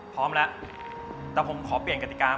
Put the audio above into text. พร้อมแล้วแต่ผมขอเปลี่ยนกติกา